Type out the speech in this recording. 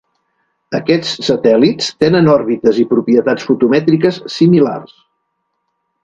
Aquests satèl·lits tenen òrbites i propietats fotomètriques similars.